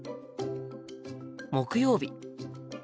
木曜日。